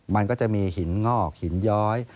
มันก็จะมีหินงอกหินย้อย